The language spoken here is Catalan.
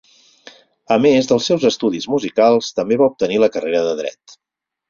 A més dels seus estudis musicals també va obtenir la carrera de Dret.